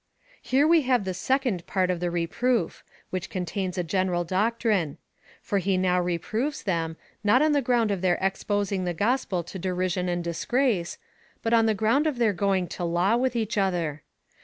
Here we have the second part of the reproof, which contains a general doctrine ; for he now reproves them, not on the ground of their expos ing the gospel to derision and disgrace, but on the ground of their going to law with each other.